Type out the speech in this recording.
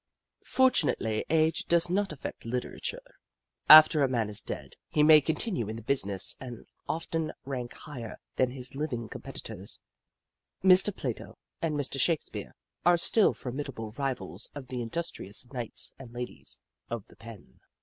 Fortunately age does not affect literature. After a man is dead, he may continue in the ijo The Book of Clever Beasts business and often rank higher than his Hving competitors. Mr. Plato and Mr. Shakespeare are still formidable rivals of the industrious knights and ladies of the pen.